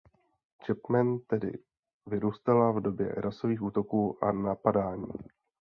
Chapman tedy vyrůstala v době rasových útoků a napadání.